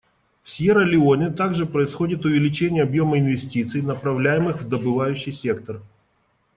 В Сьерра-Леоне также происходит увеличение объема инвестиций, направляемых в добывающий сектор.